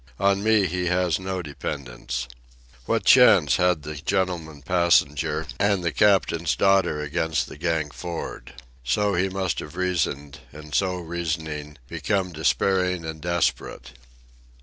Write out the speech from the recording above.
On me he has no dependence. What chance had the gentleman passenger and the captain's daughter against the gang for'ard? So he must have reasoned, and, so reasoning, become despairing and desperate.